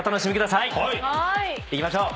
いきましょう。